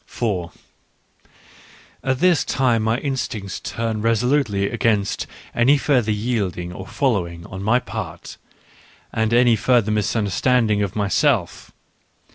4 At this time my instincts turned resolutely » against any further yielding or following on my part, V and any further misunderstanding of myself.